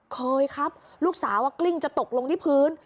เคยครับลูกสาวกลิ้งจะตกลงที่พื้น